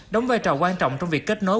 đóng vai trò quan trọng trong việc kết nối